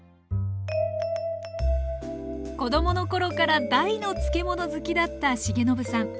子供のころから大の漬物好きだった重信さん。